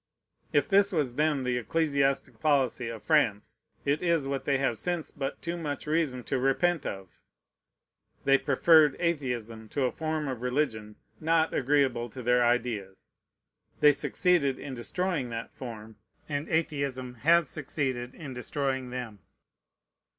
If this was then the ecclesiastic policy of France, it is what they have since but too much reason to repent of. They preferred atheism to a form of religion not agreeable to their ideas. They succeeded in destroying that form; and atheism has succeeded in destroying them.